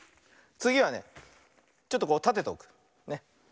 つぎはねちょっとたてておく。ね。